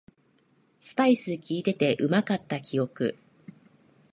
スパイスきいててうまかった記憶